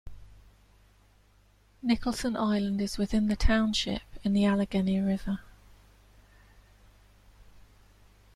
Nicholson Island is within the township in the Allegheny River.